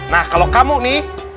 nah kalau kamu nih